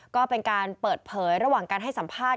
ก็เป็นการเปิดเผยระหว่างการให้สัมภาษณ